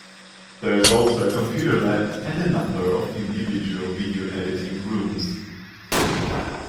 There is also a computer lab and a number of individual video editing rooms.